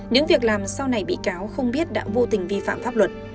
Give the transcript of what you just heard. những việc làm sau này bị cáo không biết đã vô tình vi phạm pháp luật